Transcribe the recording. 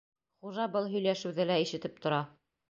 Хужа был һөйләшеүҙе лә ишетеп тора.